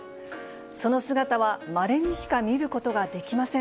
その姿は、まれにしか見ることができません。